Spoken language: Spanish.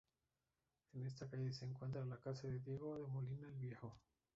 En esta calle se encuentra la casa de Diego de Molina el Viejo.